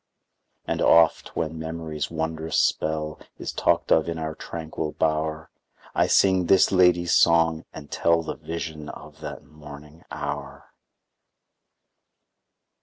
And oft when memory's wondrous spell Is talked of in our tranquil bower, I sing this lady's song, and tell The vision of that morning hour.